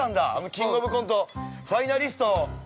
キングオブコントファイナリスト。